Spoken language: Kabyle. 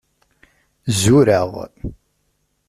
Zureɣ.